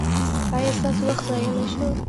ایا ستاسو وخت ضایع نه شو؟